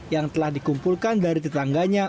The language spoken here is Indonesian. yang telah dikumpulkan dari tetangganya